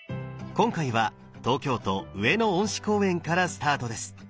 今回は東京都上野恩賜公園からスタートです